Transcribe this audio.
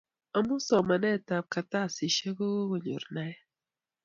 amun somanet ab kartasishek ko konyor naet